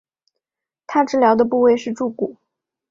她治疗的部位是肋骨。